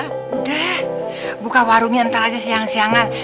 udah buka warungnya ntar aja siang siangan